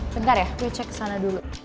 bentar ya gue cek kesana dulu